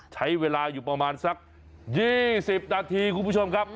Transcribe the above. ใช้เวลาอยู่ประมาณสัก๒๐นาทีคุณผู้ชมครับ